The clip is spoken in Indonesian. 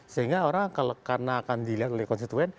sehingga orang karena akan dilihat oleh konstituen